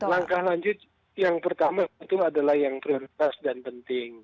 langkah lanjut yang pertama itu adalah yang prioritas dan penting